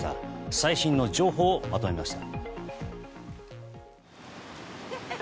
最新の情報をまとめました。